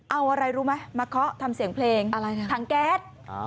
เอาอะไรรู้ไหมมาเคาะทำเสียงเพลงถังแก๊ส